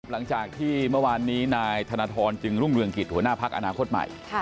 หลังจากที่เมื่อวานนี้นายธนทรจึงรุ่งเรืองกิจหัวหน้าพักอนาคตใหม่